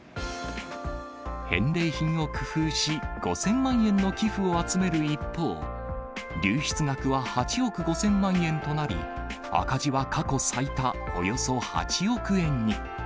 返礼品を工夫し、５０００万円の寄付を集める一方、流出額は８億５０００万円となり、赤字は過去最多、およそ８億円に。